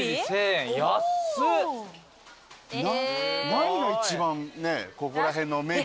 何が一番ここら辺の名物。